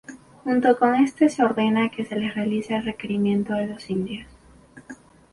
Junto con esto se ordena que se les realice el Requerimiento a los indios.